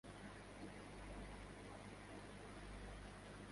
دوسرا یہ کہ شائستگی کو ممکن حد تک پیش نظر رکھا جائے گا۔